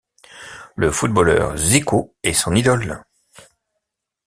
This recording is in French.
Le footballeur Zico est son idole.